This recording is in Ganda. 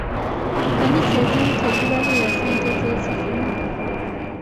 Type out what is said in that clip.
Ekkanisa ezimu tezibalirira ssente ze zifuna.